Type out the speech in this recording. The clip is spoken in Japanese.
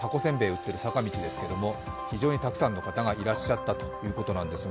売っている坂道ですけれども、非常にたくさんの方がいらっしゃったということです。